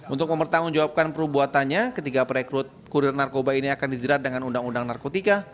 untuk mempertanggungjawabkan perbuatannya ketiga perekrut kurir narkoba ini akan dijerat dengan undang undang narkotika